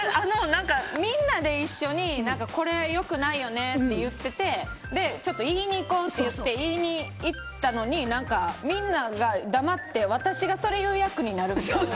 みんなで一緒にこれ良くないよねって言っててちょっと言いに行こうって言いに行ったのにみんなが黙って私がそれ言う役になるという。